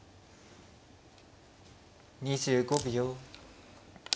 ２５秒。